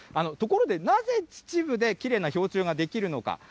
ところで、なぜ秩父できれいな氷柱が出来るのか。